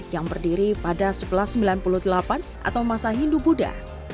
yang berdiri pada seribu sembilan ratus sembilan puluh delapan atau masa hindu buddha